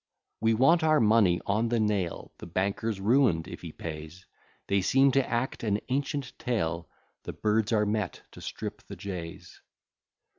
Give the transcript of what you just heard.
We want our money on the nail; The banker's ruin'd if he pays: They seem to act an ancient tale; The birds are met to strip the jays.